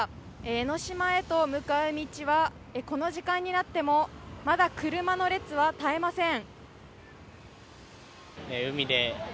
江の島へと向かう道はこの時間になってもまだ車の列は絶えません。